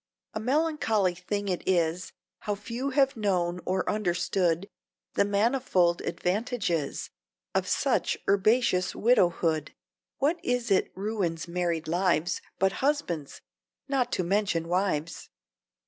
A melancholy thing it is How few have known or understood The manifold advantages Of such herbaceous widowhood! (What is it ruins married lives But husbands ... not to mention wives?)